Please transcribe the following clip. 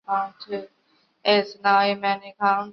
宇久町是位于长崎县北松浦郡的离岛的一町。